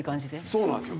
そうなんですよ。